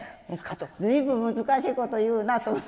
随分難しいこと言うなと。